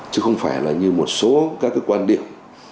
chứ không phải là như một số các cái quan điểm